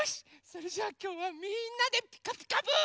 それじゃあきょうはみんなで「ピカピカブ！」。